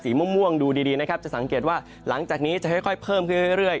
ม่วงดูดีนะครับจะสังเกตว่าหลังจากนี้จะค่อยเพิ่มขึ้นเรื่อย